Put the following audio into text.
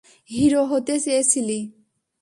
Hero হতে চেয়েছিলি!